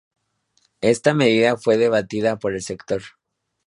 Esta medida fue debatida por el sector.